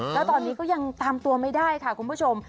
แล้วตอนนี้ก็ยังตามตัวไม่ได้ค่ะคุณผู้ชม